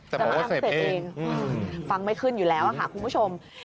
แต่บอกว่าเสพเองฟังไม่ขึ้นอยู่แล้วคุณผู้ชม